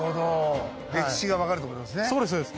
歴史が分かるってことですね。